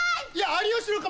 『有吉の壁』